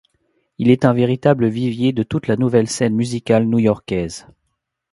Il est un véritable vivier de toute la nouvelle scène musicale new-yorkaise.